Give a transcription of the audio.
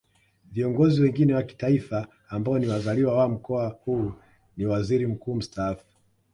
Viongozi wengine wa Kitaifa ambao ni wazaliwa wa Mkoa huu ni Waziri Mkuu Mstaafu